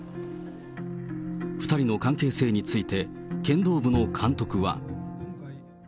２人の関係性について、剣道部の監督は。